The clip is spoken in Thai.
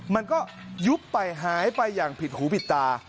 มันก็ยุบไปหายไปอย่างผิดหูผิดตา